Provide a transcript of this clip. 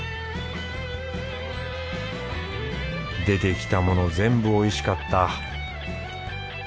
出てきたもの全部おいしかった